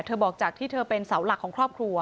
บอกจากที่เธอเป็นเสาหลักของครอบครัว